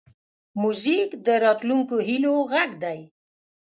موزیک د راتلونکو هیلو غږ دی.